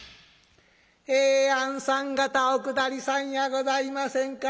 「えあんさん方お下りさんやございませんか。